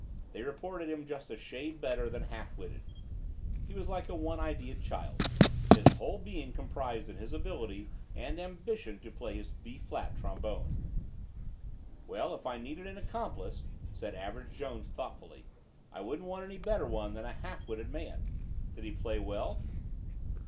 They reported him just a shade better than half witted. He was like a one ideaed child, his whole being comprised in his ability, and ambition to play his B flat trombone." "Well, if I needed an accomplice," said Average Jones thoughtfully, "I wouldn't want any better one than a half witted man. Did he play well?"